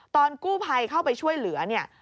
ตอนกู้ภัยเข้าไปช่วยเหลือเนี่ย